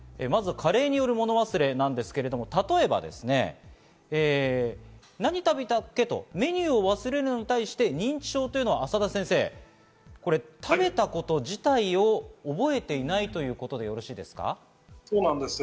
まず加齢によるもの忘れは、例えば何食べた？とメニューを忘れるのに対して認知症というのは朝田先生、食べたこと自体を覚えていないということでよろしいですか？